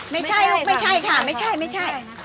ไม่ใช่ลูกไม่ใช่ค่ะไม่ใช่ไม่ใช่